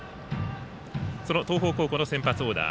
東邦高校の先発オーダー。